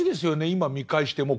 今見返しても。